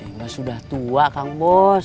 ucuy mas sudah tua kang bos